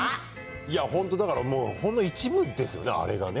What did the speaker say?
いや、本当、だからもう、ほんの一部ですよね、あれがね。